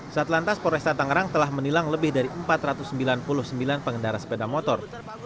saat lantas polres tenggerang telah menilang lebih dari empat ratus sembilan puluh sembilan pengendara sepeda motor